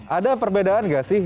ada perbedaan nggak sih